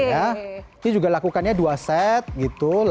kita juga lakukannya dua set gitu